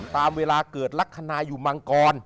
ตามเวลาเกิดลักษณะอยู่มังกร